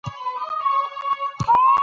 ښوونځي پرون د نظم ښه بېلګه وه.